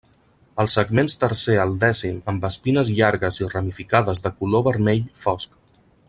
Els segments tercer al dècim amb espines llargues i ramificades de color vermell fosc.